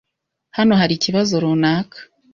Hano hari ikibazo runaka?